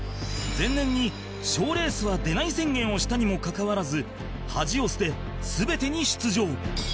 前年に賞レースは出ない宣言をしたにもかかわらず恥を捨て全てに出場